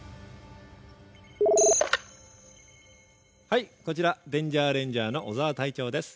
☎はいこちらデンジャーレンジャーの小澤隊長です。